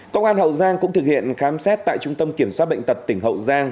công an hậu giang cũng thực hiện khám xét tại trung tâm kiểm soát bệnh tật tỉnh hậu giang